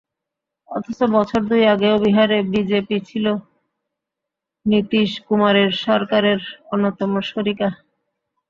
অথচ বছর দুই আগেও বিহারে বিজেপি ছিল নিতীশ কুমারের সরকারের অন্যতম শরিক।